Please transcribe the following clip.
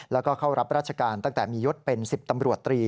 แล้วก็เข้ารับราชการตั้งแต่มียศเป็น๑๐ตำรวจตรี